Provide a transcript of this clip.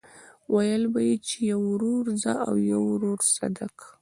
ويل به يې چې يو ورور زه او يو ورور صدک.